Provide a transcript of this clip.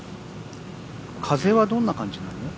風はどんな感じなの？